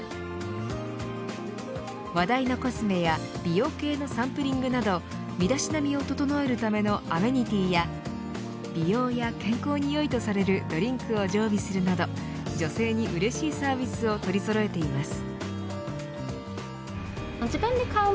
話題のコスメや美容系のサンプリングなど身だしなみを整えるためのアメニティや美容や健康によいとされるドリンクを常備するなどを女性にうれしいサービスを取りそろえています。